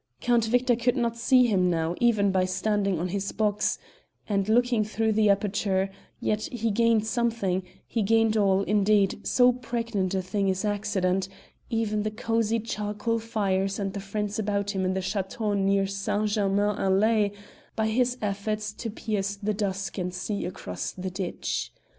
Count Victor could not see him now even by standing on his box and looking through the aperture, yet he gained something, he gained all, indeed, so pregnant a thing is accident even the cosy charcoal fires and the friends about him in the chateau near Saint Germain en Laye by his effort to pierce the dusk and see across the ditch.